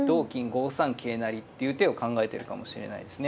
５三桂成っていう手を考えてるかもしれないですね。